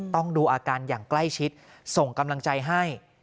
ต้องดูอาการอย่างใกล้ชิดส่งกำลังใจให้